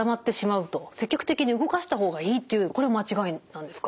積極的に動かした方がいいというこれも間違いなんですか？